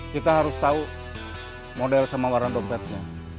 kita harus tahu model sama warna dompetnya